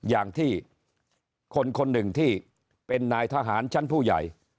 อย่างที่คนคนหนึ่งที่เป็นนายทหารชั้นผู้ใหญ่